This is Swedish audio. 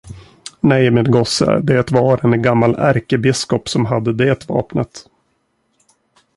Nej, min gosse, det var en gammal ärkebiskop som hade det vapnet!